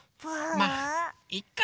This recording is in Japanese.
まいっか！